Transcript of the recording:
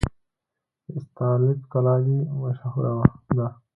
د استالف کلالي مشهوره ده